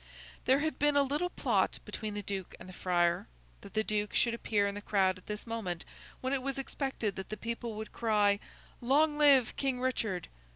There had been a little plot between the Duke and the friar, that the Duke should appear in the crowd at this moment, when it was expected that the people would cry 'Long live King Richard!